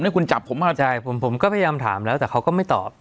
นี่คุณจับผมเข้าใจผมผมก็พยายามถามแล้วแต่เขาก็ไม่ตอบ